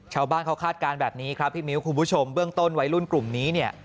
ชาวบ้านเขาคาดการณ์แบบนี้ครับพี่มิ้วคุณผู้ชมเบื้องต้นวัยรุ่นกลุ่มนี้เนี่ย